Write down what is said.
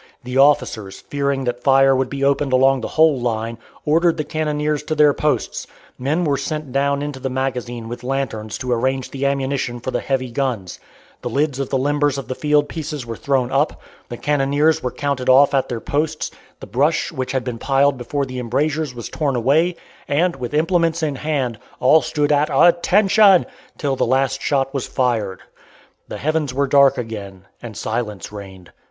The officers, fearing that fire would be opened along the whole line, ordered the cannoniers to their posts; men were sent down into the magazine with lanterns to arrange the ammunition for the heavy guns; the lids of the limbers of the field pieces were thrown up; the cannoniers were counted off at their posts; the brush which had been piled before the embrasures was torn away; and, with implements in hand, all stood at "attention!" till the last shot was fired. The heavens were dark again, and silence reigned.